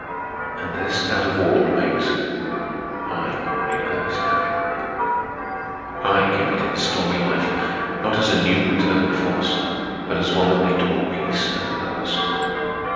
And this out of all remains: I made Ernest happy. I came into his stormy life, not as a new perturbing force, but as one that made toward peace and repose.